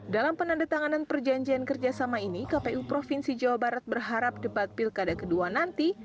dalam penandatanganan perjanjian kerjasama ini kpu provinsi jawa barat berharap debat pilkada kedua nanti